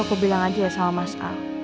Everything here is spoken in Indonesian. aku bilang aja ya sama mas a